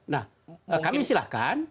nah kami silahkan